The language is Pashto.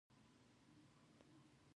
هغې په ژړا یې پیل وکړ، ډېره خفه شوه.